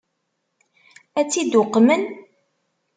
Ad tt-id-uqmen?